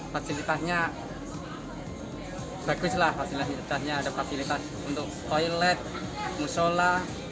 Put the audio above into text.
fasilitasnya bagus lah fasilitasnya ada fasilitas untuk toilet musola